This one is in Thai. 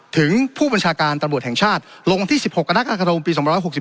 ถึงผู้บัญชาการตำรวจแห่งชาติลงที่๑๖กกปี๒๖๔